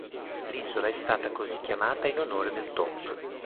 L'isola è stata così chiamata in onore del dott.